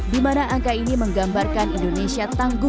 di mana angka ini menggambarkan indonesia tangguh